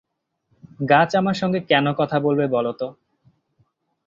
গাছ আমার সঙ্গে কেন কথা বলবে বল তো?